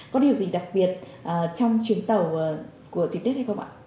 có điều gì đặc biệt trong chuyến tàu của dịp tết hay không ạ